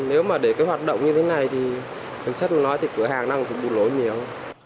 nếu mà để cái hoạt động như thế này thì đồng chất nói thì cửa hàng đang bụt lối nhiều